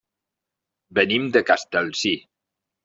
Venim de Castellcir.